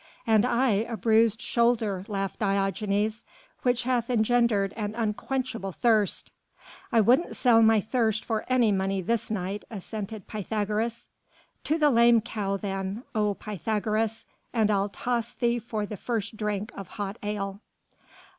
"And I a bruised shoulder," laughed Diogenes, "which hath engendered an unquenchable thirst." "I wouldn't sell my thirst for any money this night," assented Pythagoras. "To the 'Lame Cow,' then, O Pythagoras, and I'll toss thee for the first drink of hot ale."